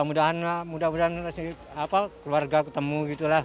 mudah mudahan keluarga ketemu